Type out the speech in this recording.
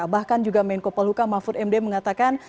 bahkan juga menko polhuka mahfud md mengatakan